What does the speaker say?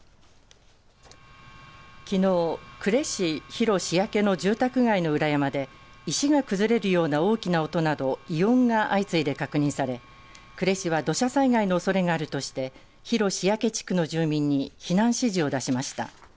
きのう呉市広塩焼の住宅街の裏山で石が崩れるような大きな音など異音が相次いで確認され呉市は土砂災害のおそれがあるとして広塩焼地区の住民に避難指示を出しました。